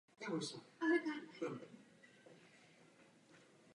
Zlín neleží na žádném významném železničním tahu.